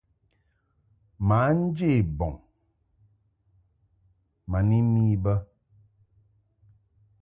Mǎ nje bɔŋ ma ni mi bə.